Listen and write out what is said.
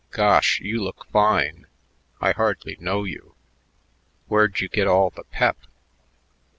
"Gosh, you look fine. I hardly know you. Where'd you get all the pep?"